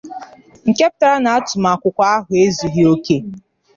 nke pụtara na atụmakwụkwọ ahụ ezughị òkè